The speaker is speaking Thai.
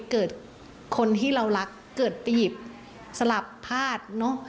เกิดคนที่เรารักเกิดไปหยิบสลับพาดเนอะ